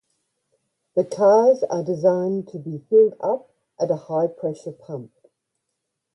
The cars are designed to be filled up at a high-pressure pump.